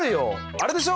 あれでしょ？